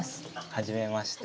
はじめまして。